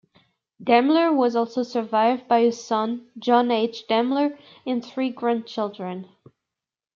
Demmler was also survived by a son John H. Demmler and three grandchildren.